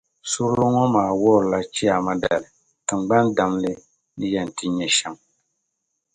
Suurili ŋɔ maa wuhirila Chiyaama dali tiŋgbani damli ni yɛn ti nyɛ shɛm.